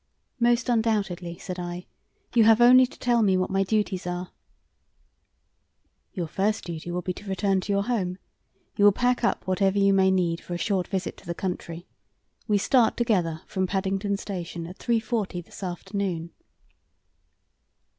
"Most undoubtedly," said I. "You have only to tell me what my duties are." "Your first duty will be to return to your home. You will pack up whatever you may need for a short visit to the country. We start together from Paddington Station at 3:40 this afternoon."